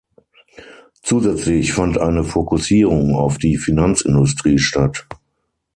Zusätzlich fand eine Fokussierung auf die Finanzindustrie statt.